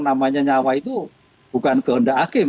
namanya nyawa itu bukan kehendak hakim